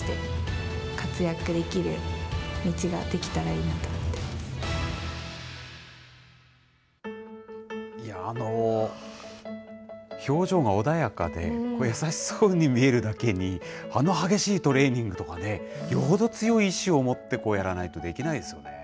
いや、表情が穏やかで、優しそうに見えるだけに、あの激しいトレーニングとかね、よほど強い意思を持ってやらないとできないですよね。